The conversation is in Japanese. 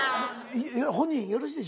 本人よろしいでしょうか？